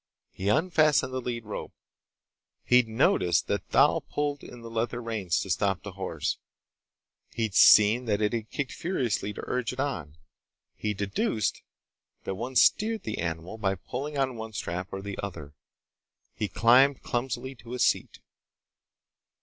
He unfastened the lead rope. He'd noticed that Thal pulled in the leather reins to stop the horse. He'd seen that he kicked it furiously to urge it on. He deduced that one steered the animal by pulling on one strap or the other. He climbed clumsily to a seat.